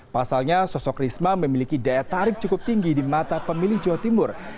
pasalnya sosok risma memiliki daya tarik cukup tinggi di mata pemilih jawa timur